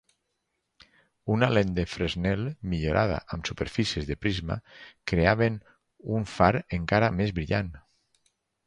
Una lent de Fresnel millorada amb superfícies de prisma creaven un far encara més brillant.